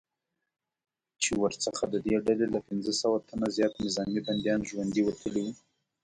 چې ورڅخه ددې ډلې له پنځه سوه تنه زیات نظامي بندیان ژوندي وتلي وو